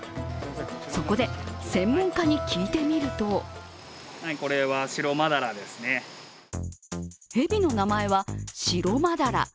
そこで専門家に聞いてみると蛇の名前はシロマダラ。